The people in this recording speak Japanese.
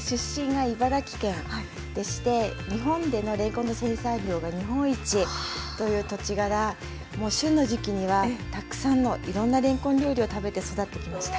出身が茨城県でして日本でのれんこんの生産量が日本一という土地柄もう旬の時期にはたくさんのいろんなれんこん料理を食べて育ってきました。